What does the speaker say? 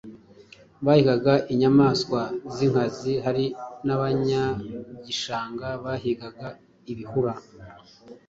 bahigaga in yamaswa z’inkazi, hari n’abanyagishanga bahigaga ibihura ,